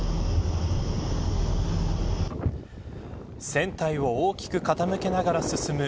船体を大きく傾けながら進む